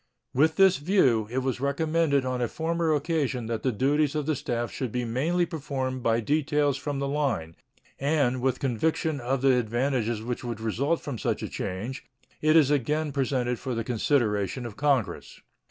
With this view, it was recommended on a former occasion that the duties of the staff should be mainly performed by details from the line, and, with conviction of the advantages which would result from such a change, it is again presented for the consideration of Congress.